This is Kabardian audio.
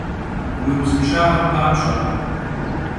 Vui vuzınşşağem papş'e!